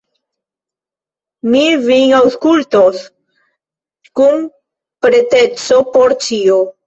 Mi vin aŭskultos kun preteco por ĉio.